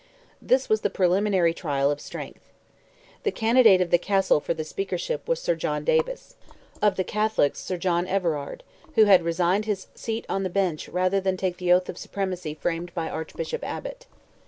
This was the preliminary trial of strength. The candidate of the Castle for the Speakership was Sir John Davis; of the Catholics, Sir John Everard, who had resigned his seat on the bench rather than take the oath of supremacy framed by Archbishop Abbott.